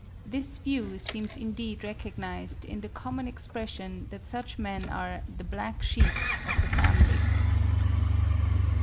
This view seems indeed recognised in the common expression that such men are the black sheep of the family.